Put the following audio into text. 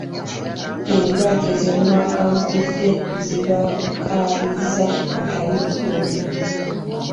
Endwadde zemuwakankudde zibakaabizza akayirigombe.